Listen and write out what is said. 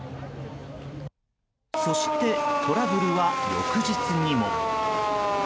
そして、トラブルは翌日にも。